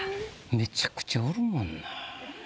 めちゃくちゃおるもんな。